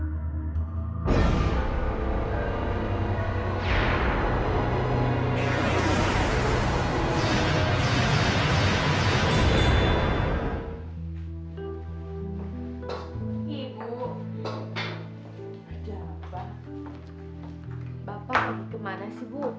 bapak mau pergi kemana sih bu